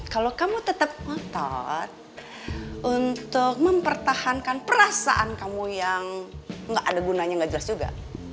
kalau kamu tetap ngotot untuk mempertahankan perasaan kamu yang nggak ada gunanya nggak jelas juga